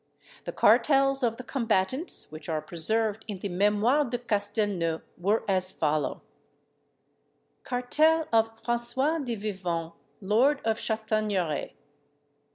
The cartels of the combatants, which are preserved in the Mémoires de Castelnau, were as follow: "Cartel of François de Vivonne, lord of la Chataigneraie.